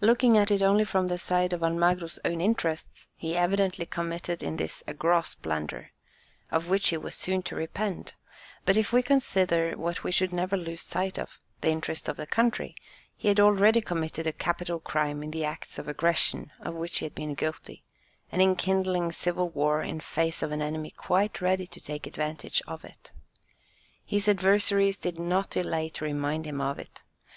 Looking at it only from the side of Almagro's own interests, he evidently committed in this a gross blunder, of which he was soon to repent; but if we consider, what we should never lose sight of, the interest of the country, he had already committed a capital crime in the acts of aggression of which he had been guilty, and in kindling civil war in face of an enemy quite ready to take advantage of it. His adversaries did not delay to remind him of it.